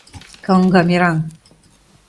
Каҥга мераҥ!